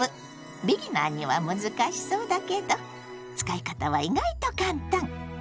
ビギナーには難しそうだけど使い方は意外と簡単！